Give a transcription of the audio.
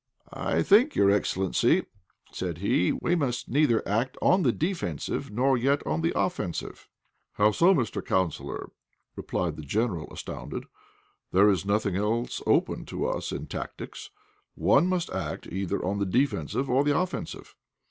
"I think, your excellency," said he, "we must neither act on the defensive nor yet on the offensive." "How so, Mr. Counsellor?" replied the General, astounded. "There is nothing else open to us in tactics one must act either on the defensive or the offensive."